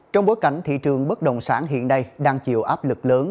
trong bối cảnh thị trường bất động sản hiện nay đang chịu áp lực lớn